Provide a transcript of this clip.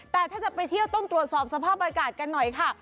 แต่ถ้าจะไปเที่ยวต้องตรวจสอบสภาพอากาศกันหน่อยค่ะ